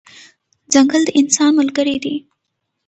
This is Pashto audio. ځنګل د انسان ملګری دی.